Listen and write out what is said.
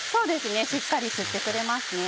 しっかり吸ってくれますね。